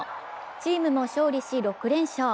チームも勝利し６連勝。